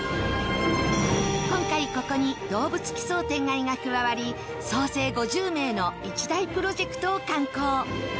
今回、ここに「どうぶつ奇想天外！」が加わり総勢５０名の一大プロジェクトを敢行。